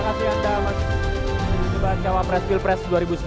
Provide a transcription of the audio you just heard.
terima kasih anda mbak cawapres pilpres dua ribu sembilan belas